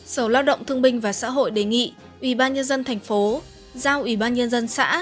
sở lao động thương binh và xã hội đề nghị ủy ban dân tp hcm giao ủy ban dân xã